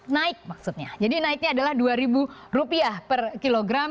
naik maksudnya jadi naiknya adalah rp dua per kilogram